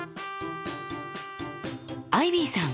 アイビーさん